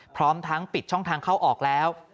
พร้อมทั้งปิดช่องทางเข้าออกแล้ว